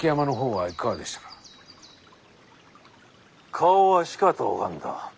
顔はしかと拝んだ。